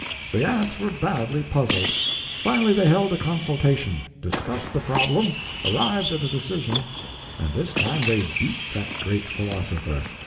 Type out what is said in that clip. The ants were badly puzzled. Finally they held a consultation, discussed the problem, arrived at a decision—and this time they beat that great philosopher.